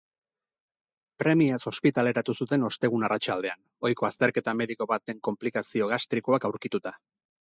Premiaz ospitaleratu zuten ostegun arratsaldean, ohiko azterketa mediko batean konplikazio gastrikoak aurkituta.